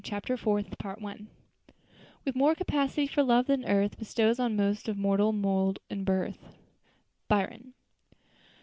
CHAPTER FOURTH "With more capacity for love than earth Bestows on most of mortal mould and birth." BYRON.